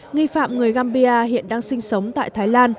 nghi phạm người gambia hiện đang sinh sống tại thái lan